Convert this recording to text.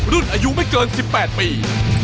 รุ่นอายุไม่เกิน๑๘ปี